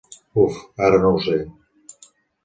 Uf, ara no ho sé.